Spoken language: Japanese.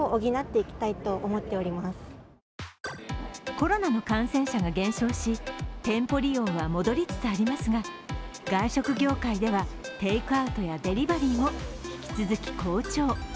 コロナの感染者が減少し、店舗利用は戻りつつありますが外食業界ではテイクアウトやデリバリーも引き続き好調。